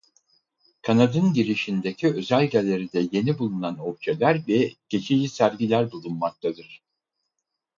Kanadın girişindeki özel galeride yeni bulunan objeler ve geçici sergiler bulunmaktadır.